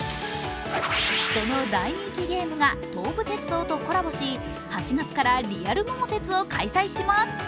その大人気ゲームが東武鉄道とコラボし、８月からリアル桃鉄を開催します。